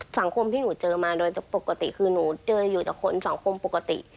สังคมที่หนูเจอมาโดยปกติคือหนูเจออยู่แต่คนสังคมปกติ